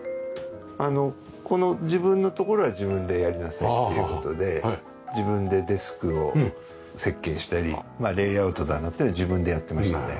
あのこの自分の所は自分でやりなさいという事で自分でデスクを設計したりレイアウトだのっていうのは自分でやってましたね。